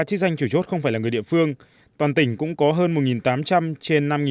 chức danh chủ chốt không phải là người địa phương toàn tỉnh cũng có hơn một tám trăm linh trên năm tám trăm tám mươi bảy